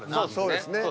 そうですね。